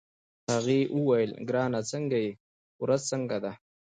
هغې وویل: ګرانه څنګه يې، ورځ څنګه ده؟